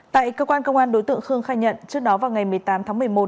tại cơ quan công an đối tượng khương khai nhận trước đó vào ngày một mươi tám tháng một mươi một